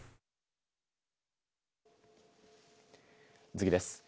次です。